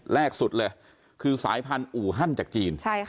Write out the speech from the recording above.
แรกสุดเลยคือสายพันธุ์อู่ฮั่นจากจีน